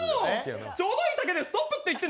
ちょうどいい丈でストップって言ってね。